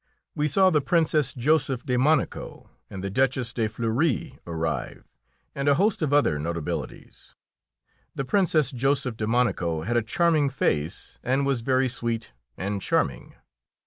We saw the Princess Joseph de Monaco and the Duchess de Fleury arrive, and a host of other notabilities. The Princess Joseph de Monaco had a charming face, and was very sweet and charming.